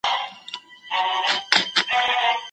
مایر او بالدوین وایي چی پرمختیا اوږد پړاو دی.